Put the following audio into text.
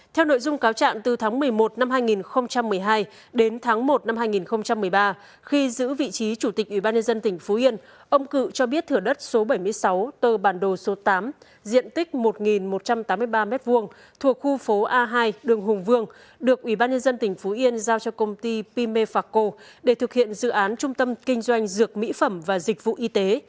theo nội dung cáo trạng từ tháng một mươi một năm hai nghìn một mươi hai đến tháng một năm hai nghìn một mươi ba khi giữ vị trí chủ tịch ubnd tỉnh phú yên ông cự cho biết thửa đất số bảy mươi sáu tờ bản đồ số tám diện tích một một trăm tám mươi ba m hai thuộc khu phố a hai đường hùng vương được ubnd tỉnh phú yên giao cho công ty pimefaco để thực hiện dự án trung tâm kinh doanh dược mỹ phẩm và dịch vụ y tế